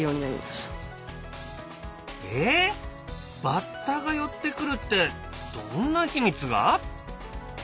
バッタが寄ってくるってどんな秘密が？